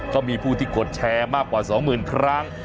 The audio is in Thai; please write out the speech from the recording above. ก็มีผู้ที่กดแชร์มากกว่า๒๐๐๐ครั้ง